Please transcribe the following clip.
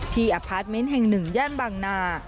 ที่อพาร์ทเม้นท์แห่งหนึ่งย่านบางนา